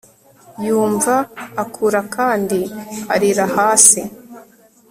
Yumva akura kandi arira hasi